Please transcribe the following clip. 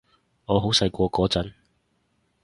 我好細個嗰陣